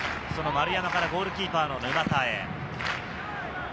丸山からゴールキーパーの沼田へ。